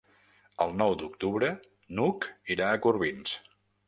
El nou d'octubre n'Hug irà a Corbins.